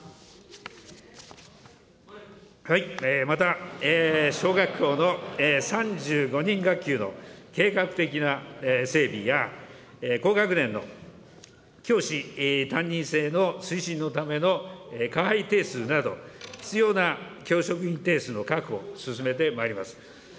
また、小学校の３５人学級の計画的な整備や、高学年の教師、担任制の推進のための定数など、必要な教職員定数の確保、進めてまいります。